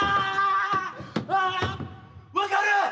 分かる！？